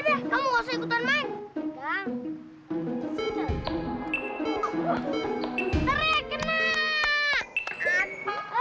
damai damai mah gaot république